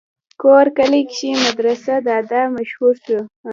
کور کلي کښې پۀ مدرسې دادا مشهور شو